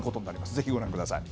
ぜひご覧ください。